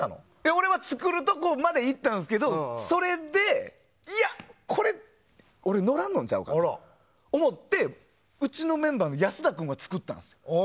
俺は作るところまで行ったんですけどそれで、いや、これ俺乗らんのちゃうか？って思ってうちのメンバーの安田君が作ったんです。